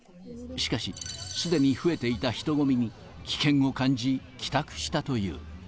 しかし、すでに増えていた人混みに危険を感じ、帰宅したという。